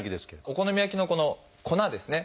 お好み焼きのこの粉ですね